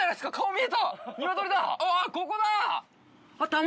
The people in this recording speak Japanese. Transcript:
あっここだ！